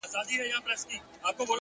• هره خوا ګورم تیارې دي چي ښکارېږي,